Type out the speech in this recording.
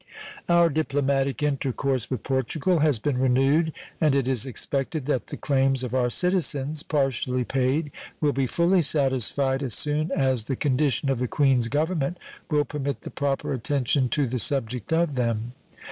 Our diplomatic intercourse with Portugal has been renewed, and it is expected that the claims of our citizens, partially paid, will be fully satisfied as soon as the condition of the Queen's Government will permit the proper attention to the subject of them.